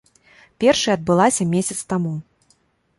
Першая адбылася месяц таму.